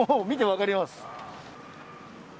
見て分かります。